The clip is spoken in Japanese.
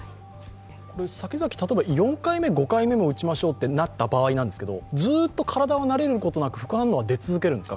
先々、例えば４回目、５回目も打ちましょうとなった場合、ずっと体は慣れることなく、副反応は出続けるんですか。